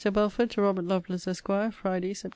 BELFORD, TO ROBERT LOVELACE, ESQ. FRIDAY, SEPT.